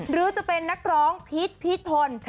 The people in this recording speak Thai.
หรือจะเป็นนักร้องพีชพีชพล